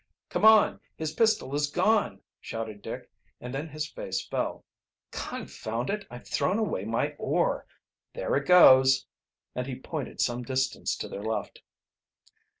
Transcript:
"Come on, his pistol is gone!" shouted Dick, and then his face fell. "Confound it, I've thrown away my oar! There it goes!" And he pointed some distance to their left.